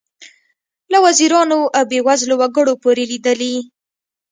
له وزیرانو او بې وزلو وګړو پورې لیدلي.